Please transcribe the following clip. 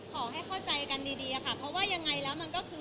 คำว่าครอบครัวเราก็ต้องตอบโจทย์ให้ได้ครอบครัวคือต้องรักแล้วก็สมัครีกัน